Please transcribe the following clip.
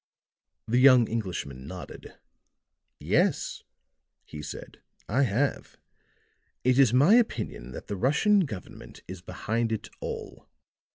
The young Englishman nodded. "Yes," he said. "I have. It is my opinion that the Russian government is behind it all.